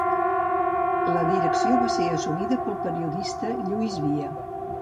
La direcció va ser assumida pel periodista Lluís Via.